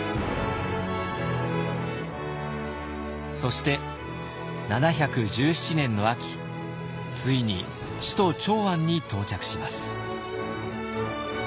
そして７１７年の秋ついに首都長安に到着します。